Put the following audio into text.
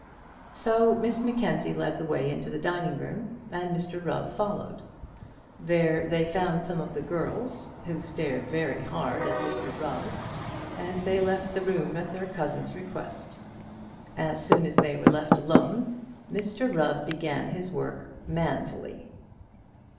So Miss Mackenzie led the way into the dining room, and Mr Rubb followed. There they found some of the girls, who stared very hard at Mr Rubb, as they left the room at their cousin's request. As soon as they were left alone Mr Rubb began his work manfully.